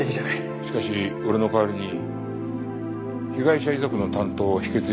しかし俺の代わりに被害者遺族の担当を引き継いだ連中から聞いたんだが。